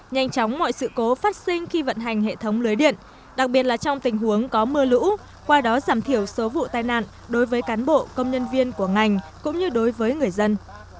nhanh chóng mọi sự cố phát sinh khi vận hành hệ thống lưới điện đặc biệt là trong tình huống có mưa lũ qua đó giảm thiểu số vụ tai nạn đối với cán bộ công nhân viên của ngành cũng như đối với người dân